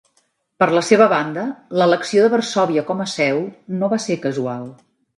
Per la seva banda, l'elecció de Varsòvia com a seu no va ser casual.